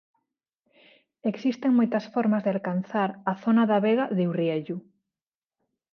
Existen moitas formas de alcanzar a zona da Vega de Urriellu.